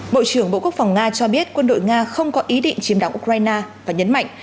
bộ trưởng bộ quốc phòng nga cho biết quân đội nga không có ý định chiếm đóng ukraine và nhấn mạnh